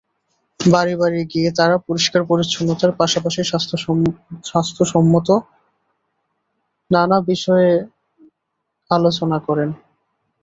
বাড়ি বাড়ি গিয়ে তাঁরা পরিষ্কার-পরিচ্ছন্নতার পাশাপাশি স্বাস্থ্যসমঞ্চত নানা বিষয় নিয়ে আলোচনা করেন।